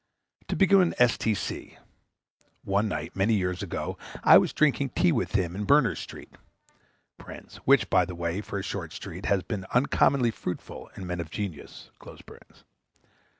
To begin with S.T.C. One night, many years ago, I was drinking tea with him in Berners' Street, (which, by the way, for a short street, has been uncommonly fruitful in men of genius.)